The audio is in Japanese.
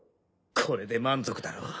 これで満足だろう。